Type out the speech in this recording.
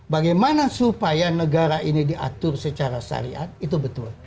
bagaimana supaya negara ini diatur secara syariat itu betul